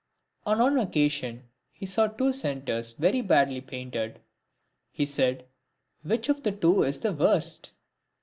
On one occasion he saw two Centaurs very badly painted ; he said, "Which of the two is the worst?"